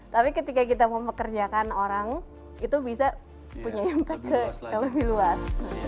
tapi ketika kita mau pekerjakan orang itu bisa punya yang lebih luas